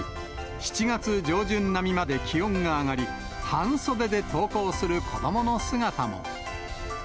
７月上旬並みまで気温が上がり、半袖で登校する子どもの姿も。